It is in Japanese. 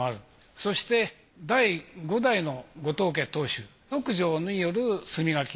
そして第５代の後藤家当主徳乗による墨書き。